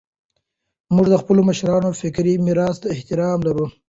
موږ د خپلو مشرانو فکري میراث ته احترام لرو.